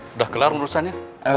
sudah kelar urusannya